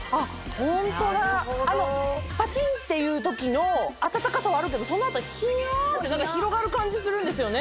ホントだパチンっていう時の温かさはあるけどその後ヒヤって広がる感じするんですよね。